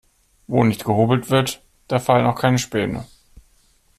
Wo nicht gehobelt wird, da fallen auch keine Späne.